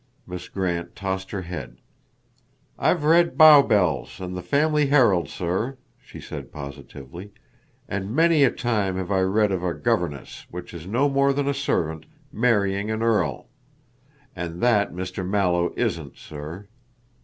Miss Grant tossed her head. "I've read Bow Bells and the Family Herald, sir," she said positively, "and many a time have I read of a governess, which is no more than a servant, marrying an earl. And that Mr. Mallow isn't, sir."